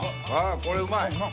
これうまい！